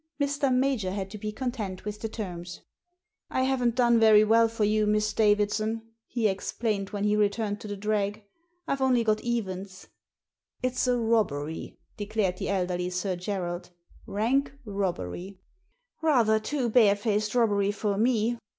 Mr. Major had to be content with the terms. " I haven't done very well for you, Miss Davidson," Digitized by VjOOQIC THE TIPSTER 143 he explained when he returned to the drag. Tve only got evens." * It's a robbery," declared the elderly Sir Gerald ; rank robbery!" "Rather too barefaced robbery for me."